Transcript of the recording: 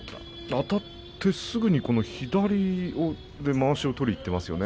あたってすぐに左でまわしを取りにいっていますね。